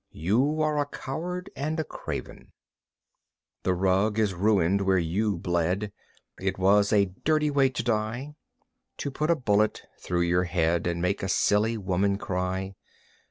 You are a coward and a craven. "The rug is ruined where you bled; It was a dirty way to die! To put a bullet through your head And make a silly woman cry!